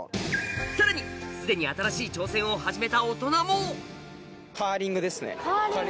さらにすでに新しい挑戦を始めた大人もカーリングですか？